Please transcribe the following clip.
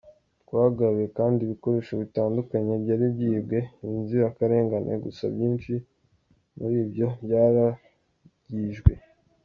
Twagaruye kandi ibikoresho bitandukanye byari byibwe inzirakarengane gusa byinshi muri byo byarangijwe.”